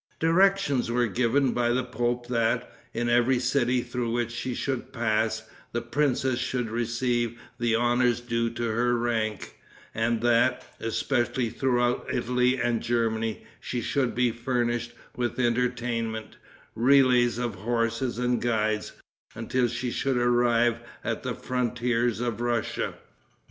Directions were given by the pope that, in every city through which she should pass, the princess should receive the honors due to her rank, and that, especially throughout Italy and Germany, she should be furnished with entertainment, relays of horses and guides, until she should arrive at the frontiers of Russia.